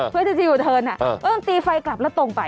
เพื่อที่จะอยู่ทิวนน่ะเออตีไฟกลับแล้วตรงไป